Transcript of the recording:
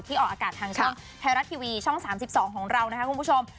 ที่ออกอากาศช่องไทรัทชีวีช่อง๓๒ของเราคุณผู้ชม